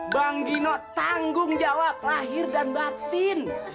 bang gino tanggung jawab lahir dan batin